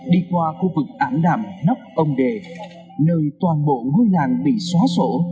đi qua khu vực ảm đạm nóc ông đề nơi toàn bộ ngôi làng bị xóa sổ